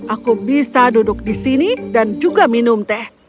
aku bisa duduk di sini dan juga minum teh